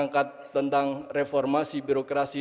mungkin lebih ke logo negara dan program sheets masing geng tadi